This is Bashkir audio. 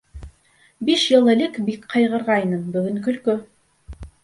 Биш йыл элек бик ҡайғырғайным, бөгөн көлкө!